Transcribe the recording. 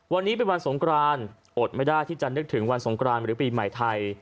วันนี้เป็นวันสงครานอดไม่ได้ที่จะนึกถึงวันสงครานหรือปีใหม่ไทย